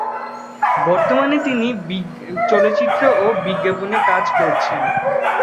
বর্তমানে তিনি চলচ্চিত্র ও বিজ্ঞাপনে কাজ করেছেন।